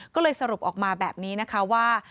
ก็เลยสรุปออกมาแบบนี้นะคะว่า